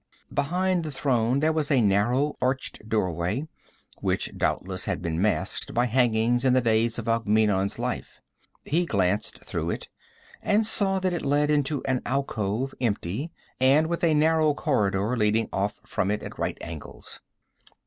Behind the throne there was a narrow arched doorway which doubtless had been masked by hangings in the days of Alkmeenon's life. He glanced through it and saw that it let into an alcove, empty, and with a narrow corridor leading off from it at right angles.